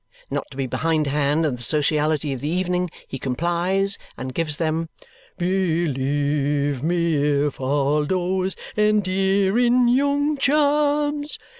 Not to be behindhand in the sociality of the evening, he complies and gives them "Believe Me, if All Those Endearing Young Charms."